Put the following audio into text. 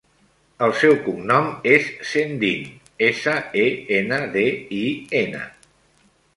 El seu cognom és Sendin: essa, e, ena, de, i, ena.